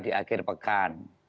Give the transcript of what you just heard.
di akhir pekan